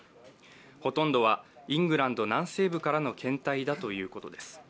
ほとんどはイングランド南東部からの検体だということです。